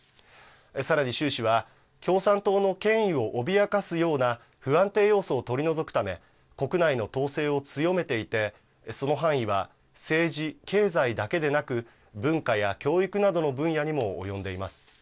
さらに習氏は、共産党の権威を脅かすような不安定要素を取り除くため、国内の統制を強めていて、その範囲は政治、経済だけでなく、文化や教育などの分野にも及んでいます。